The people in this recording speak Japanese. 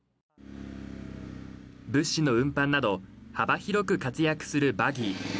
物資の運搬など幅広く活躍するバギー。